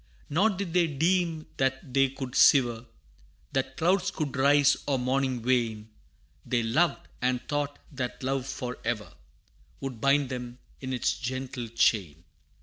Nor did they deem that they could sever, That clouds could rise, or morning wane; They loved, and thought that love for ever Would bind them in its gentle chain.